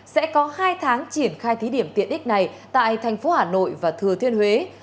sẽ có hai tháng triển khai thí điểm tiện ích này tại thành phố hà nội và thừa thiên huế